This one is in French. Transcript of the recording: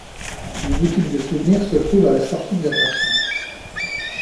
Une boutique de souvenir se trouve à la sortie de l'attraction.